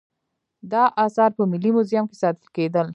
دا اثار په ملي موزیم کې ساتل کیدل